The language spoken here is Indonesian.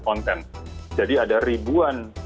content jadi ada ribuan